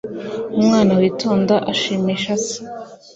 umwana witonda ashimisha se